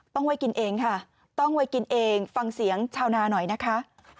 ไว้กินเองค่ะต้องไว้กินเองฟังเสียงชาวนาหน่อยนะคะ